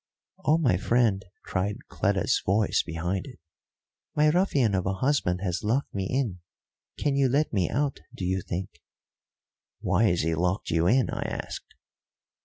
"Oh, my friend," cried Cleta's voice behind it, "my ruffian of a husband has locked me in can you let me out, do you think?" "Why has he locked you in?" I asked.